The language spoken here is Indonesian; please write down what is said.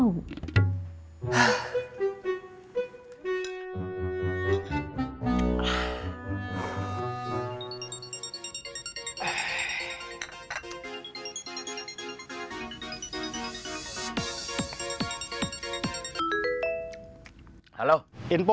habis pada menambah